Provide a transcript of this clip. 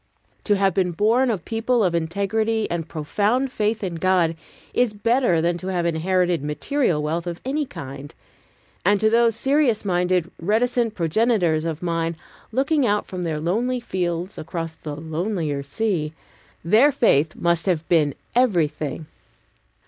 To have been born of people of integrity and profound faith in God, is better than to have inherited material wealth of any kind. And to those serious minded, reticent progenitors of mine, looking out from their lonely fields across the lonelier sea, their faith must have been everything.